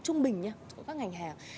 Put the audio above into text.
trung bình nha các ngành hàng